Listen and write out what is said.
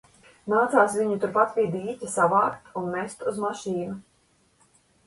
Nācās viņu turpat pie dīķa savākt un nest uz mašīnu.